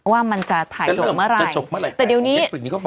ว่ามันจะถ่ายจบเมื่อไร